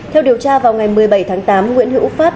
theo điều tra vào ngày một mươi bảy tháng tám nguyễn hữu phát